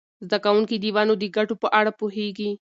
زده کوونکي د ونو د ګټو په اړه پوهیږي.